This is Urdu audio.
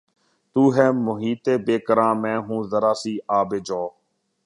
تو ہے محیط بیکراں میں ہوں ذرا سی آب جو